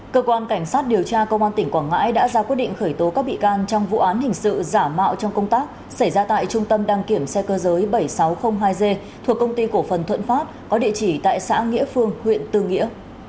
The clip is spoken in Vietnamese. cơ quan cảnh sát điều tra công an tỉnh quảng ngãi đã ra quyết định khởi tố các bị can trong vụ án hình sự giả mạo trong công tác xảy ra tại trung tâm đăng kiểm xe cơ giới bảy nghìn sáu trăm linh hai g thuộc công ty cổ phần thuận pháp có địa chỉ tại xã nghĩa phương huyện tư nghĩa